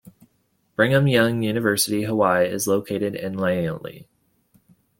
Brigham Young University-Hawaii is located in Laie.